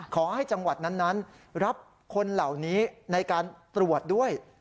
ขอให้จังหวัดนั้นรับคนเหล่านี้ในการตรวจด้วย